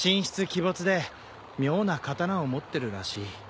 鬼没で妙な刀を持ってるらしい。